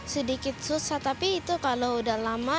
sedikit susah tapi itu kalau udah lama